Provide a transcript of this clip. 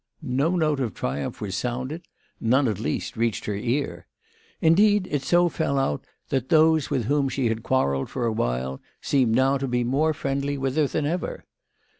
JSTo note of triumph was sounded ; none at least reached her ear. Indeed, it so fell out that those with whom she had quarrelled for awhile seemed now to be more friendly with her than ever.